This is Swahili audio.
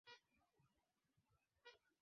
ni kauli yake mchambuzi wa masuala ya siasa